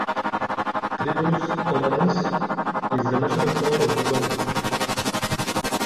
"Tribulus omanense" is the national flower of Dubai.